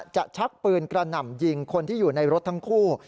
ชักปืนกระหน่ำยิงคนที่อยู่ในรถทั้งคู่